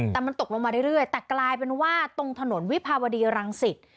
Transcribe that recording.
แต่มันตกลงมาเรื่อยแต่กลายเป็นว่าตรงถนนวิภาวดีรังสิต